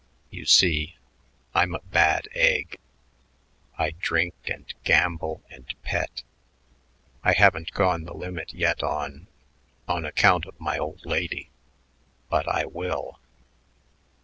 "You see, I'm a bad egg. I drink and gamble and pet. I haven't gone the limit yet on on account of my old lady but I will."